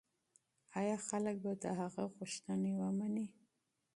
ایا خلک به د هغه غوښتنې ومني؟